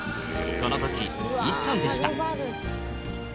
このとき１歳でした